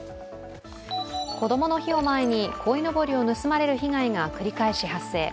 こどもの日を前にこいのぼりを盗まれる被害が繰り返し発生。